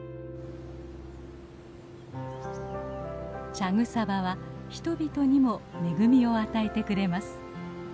茶草場は人々にも恵みを与えてくれます。